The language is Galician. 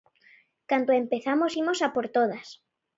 Cando empezamos imos a por todas.